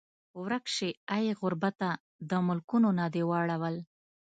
ورک شې ای غربته د ملکونو نه دې واړول